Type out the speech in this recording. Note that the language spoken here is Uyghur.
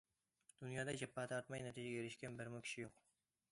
دۇنيادا جاپا تارتماي نەتىجىگە ئېرىشكەن بىرمۇ كىشى يوق.